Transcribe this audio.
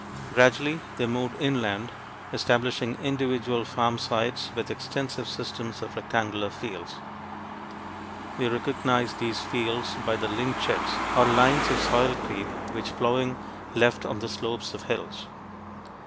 Gradually, they moved inland, establishing individual farm sites with extensive systems of rectangular fields. We recognize these fields by the "lynchets" or lines of soil creep which plowing left on the slopes of hills.